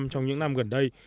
trong những năm gần đây